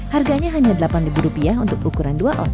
harganya hanya delapan ribu rupiah untuk ukuran dua oz